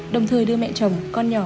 đồng thời đưa mẹ chồng con nhỏ